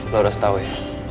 lu harus tau ya